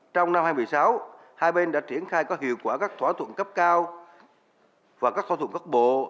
trong năm hai nghìn một mươi sáu hai bên đã triển khai có hiệu quả các thỏa thuận cấp cao và các khẩu thuận bộ